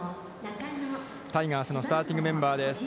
タイガースのスターティングメンバーです。